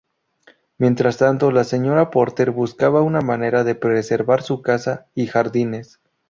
Mientras tanto la señora Porter buscaba una manera de preservar su casa y jardines.